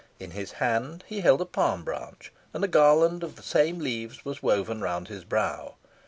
In his hand he held a palm branch, and a garland of the same leaves was woven round his brow.